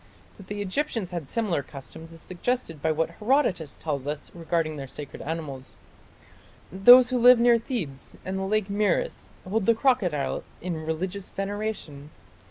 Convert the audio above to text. " That the Egyptians had similar customs is suggested by what Herodotus tells us regarding their sacred animals: "Those who live near Thebes and the lake Moeris hold the crocodile in religious veneration....